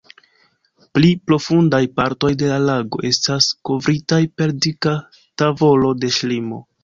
Pli profundaj partoj de la lago estas kovritaj per dika tavolo de ŝlimo.